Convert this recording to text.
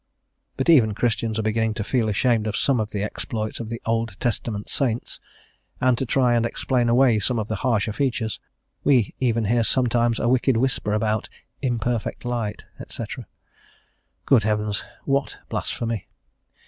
But even Christians are beginning to feel ashamed of some of the exploits of the "Old Testament Saints," and to try and explain away some of the harsher features; we even hear sometimes a wicked whisper about "imperfect light," &c. Good heavens! what blasphemy!